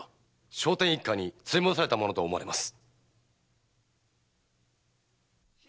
聖天一家に連れ戻されたものと思われます。